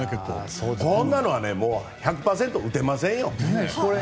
こんなのは１００％打てませんよ。